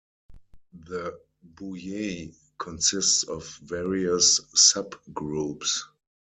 The Bouyei consist of various subgroups.